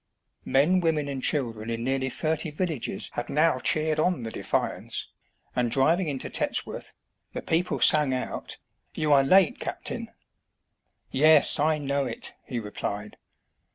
Men, women, and children in nearly thirty villages had now cheered on the " Defiance," and driving into Tetsworth, the people sang out, " You are late, cap tain !" "Yes, I know it," he replied.